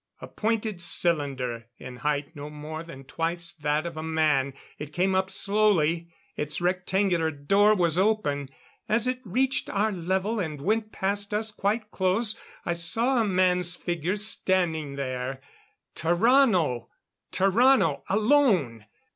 A pointed cylinder, in height no more than twice that of a man. It came up slowly. Its rectangular door was open. As it reached our level and went past us quite close, I saw a man's figure standing there. Tarrano! Tarrano alone!